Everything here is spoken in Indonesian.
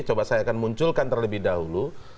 coba saya akan munculkan terlebih dahulu